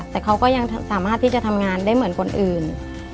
แต่เขาก็ยังสามารถที่จะทำงานได้เหมือนคนอื่น